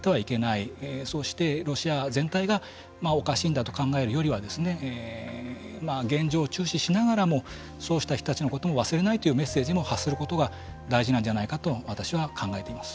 そうしてロシア全体がおかしいんだと考えるよりは現状を注視しながらもそうした人たちのことも忘れないというメッセージも発することが大事なんじゃないかと私は考えています。